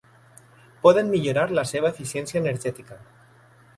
Poden millorar la seva eficiència energètica.